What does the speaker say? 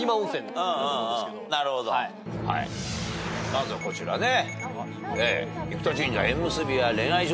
まずはこちらね。